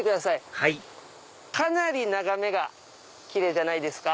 はいかなり眺めがキレイじゃないですか？